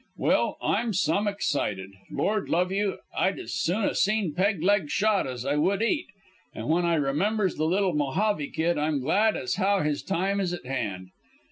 "Well, I'm some excited. Lord love you, I'd as soon 'a' seen Peg leg shot as I would eat, an' when I remembers the little Mojave kid I'm glad as how his time is at hand.